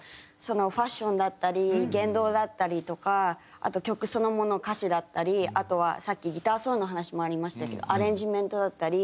ファッションだったり言動だったりとかあと曲そのもの歌詞だったりあとはさっきギターソロの話もありましたけどアレンジメントだったり。